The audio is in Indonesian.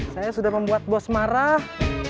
saya sudah membuat bos marah